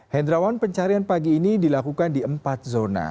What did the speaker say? hendrawan pencarian pagi ini dilakukan di empat zona